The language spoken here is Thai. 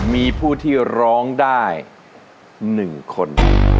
มีผู้ที่ร้องได้๑คน